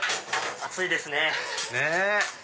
暑いですね。ねぇ。